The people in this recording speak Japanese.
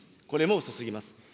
これも遅すぎます。